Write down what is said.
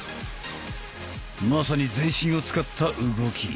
まさに全身を使った動き。